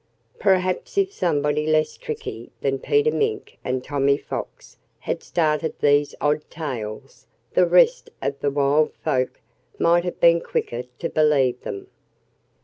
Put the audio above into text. Perhaps if somebody less tricky than Peter Mink and Tommy Fox had started these odd tales, the rest of the wild folk might have been quicker to believe them.